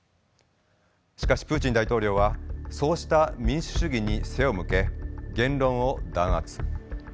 しかしプーチン大統領はそうした民主主義に背を向け言論を弾圧。